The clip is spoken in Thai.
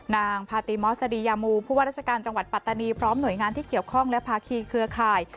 นางพาติมอสดียามูผู้ว่าราชการจังหวัดปัตตานีพร้อมหน่วยงานที่เกี่ยวข้องและภาคีเครือข่าย